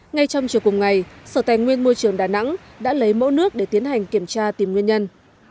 ngay trong chiều cùng ngày sở tài nguyên môi trường đà nẵng đã lấy mẫu nước để tiến hành kiểm tra tìm nguyên nhân